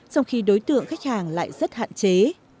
trong khi đối tượng khách hàng lại rất hạn chế